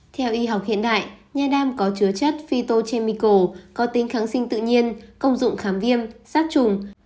theo y học hiện đại nha đam có chứa chất fito chemical có tính kháng sinh tự nhiên công dụng khám viêm sát trùng